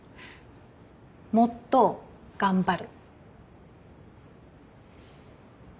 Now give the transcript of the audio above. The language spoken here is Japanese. もっと頑張る。